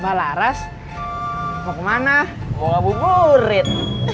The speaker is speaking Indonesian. malah ras mau kemana bawa buburin